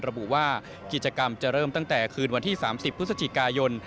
ระบุว่ากิจกรรมจะเริ่มตั้งแต่คืนวันที่๓๐พฤศจิกายน